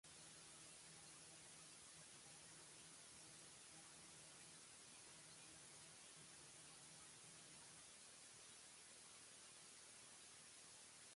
Bakannganʼm bʼa diman like kɔnguɛ nga, ɔ cɛman be wa kɔ suklu.